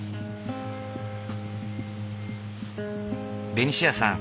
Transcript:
ベニシアさん